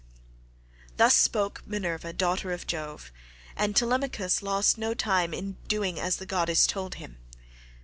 Thus spoke Minerva daughter of Jove, and Telemachus lost no time in doing as the goddess told him.